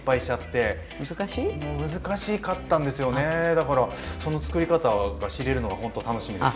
だからそのつくり方が知れるのはほんと楽しみです。